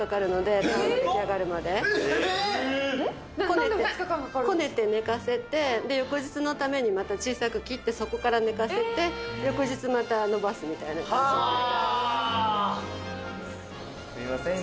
こねて寝かせてで翌日のためにまた小さく切ってそこから寝かせて翌日また伸ばすみたいな感じがすいません